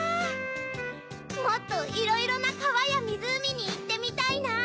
もっといろいろなかわやみずうみにいってみたいな！